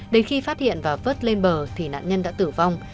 đến khi phát hiện và vớt lên bờ thì nạn nhân đã tử vong